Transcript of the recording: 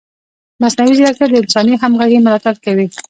مصنوعي ځیرکتیا د انساني همغږۍ ملاتړ کوي.